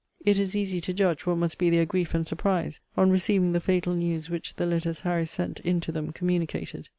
It is easy to judge what must be their grief and surprise on receiving the fatal news which the letters Harry sent in to them communicated.